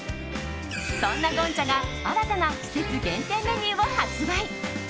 そんなゴンチャが新たな季節限定メニューを発売。